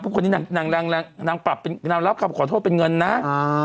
พวกนี้นางรับกลับขอโทษเป็นเงินน้า